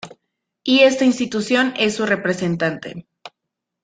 Y esta institución es su representante.